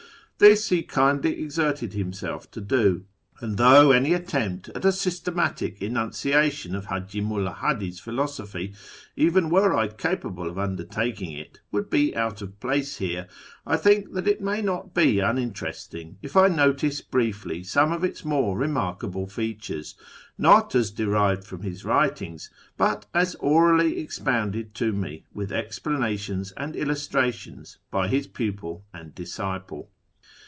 This he kindly exerted himself to do ; and though any attempt at a systematic enunciation of Haji Mulla Hadi's philosophy, even were I capable of undertaking it, would be out of place here, I think that it may not be uninteresting if I notice briefly some of its more remark able features — not as derived from his writings, but as orally expounded to me, with explanations and illustrations, by his pupil and disciple.